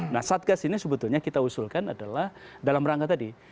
nah satgas ini sebetulnya kita usulkan adalah dalam rangka tadi